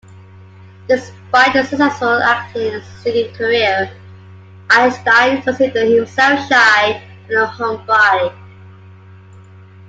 Despite a successful acting and singing career, Einstein considered himself shy and a homebody.